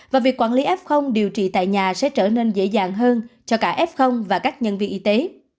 và việc quản lý f điều trị tại nhà sẽ trở nên dễ dàng hơn cho cả f và các nhân viên y tế